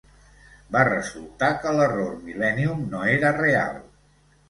Va resultar que l'error millennium no era real.